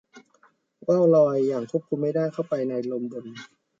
ว่าวลอยอย่างควบคุมไม่ได้เข้าไปในลมบน